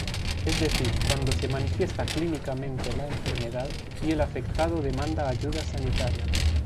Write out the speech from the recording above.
Es decir, cuando se manifiesta clínicamente la enfermedad, y el afectado demanda ayuda sanitaria.